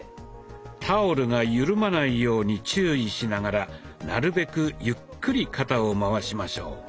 タオルが緩まないように注意しながらなるべくゆっくり肩を回しましょう。